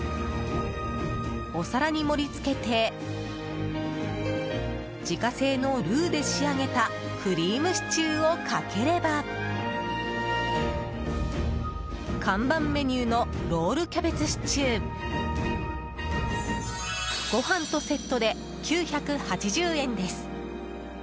お皿に盛り付けて自家製のルーで仕上げたクリームシチューをかければ看板メニューのロールキャベツシチューご飯とセットで９８０円です。